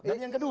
dan yang kedua